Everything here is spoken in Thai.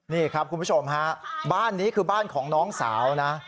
นี่ครับคุณผู้ชมฮะบ้านนี้คือบ้านของน้องสาวนะ